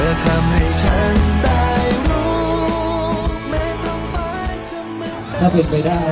เธอทำให้ฉันได้รู้ไม่ทำฝันจะไม่ตาย